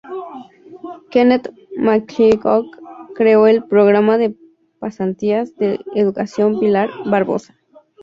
Kenneth McClintock, creó el ""Programa de Pasantías de Educación Pilar Barbosa"".